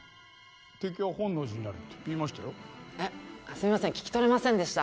すみません聞き取れませんでした。